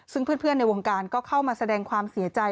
ซึ่งเพื่อนในวงการก็เข้ามาแสดงความเสียใจ